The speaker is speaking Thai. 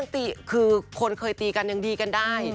ปกติคือคนเคยตีกันยังดีกันได้